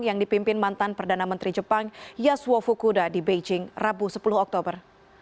yang dipimpin mantan perdana menteri jepang yaswo fukuda di beijing rabu sepuluh oktober